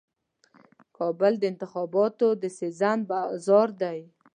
کابل د انتخاباتو د سیزن بازار دی.